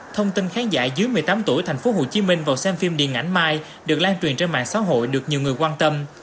thông tin khán giả dưới một mươi tám tuổi tp hcm vào xem phim điện ảnh mai được lan truyền trên mạng xã hội được nhiều người quan tâm